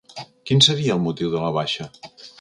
Quin seria el motiu de la baixa?